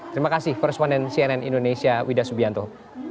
terima kasih first one and cnn indonesia wida subianto